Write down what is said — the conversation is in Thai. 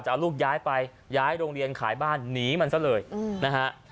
เอาลูกย้ายไปย้ายโรงเรียนขายบ้านหนีมันซะเลยนะฮะ